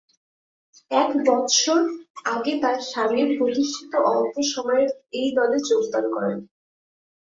এক বৎসর আগে তার স্বামীর প্রতিষ্ঠিত অল্প সময়ের এই দলে যোগদান করেন।